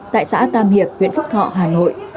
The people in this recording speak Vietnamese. tại xã tam hiệp huyện phúc thọ hà nội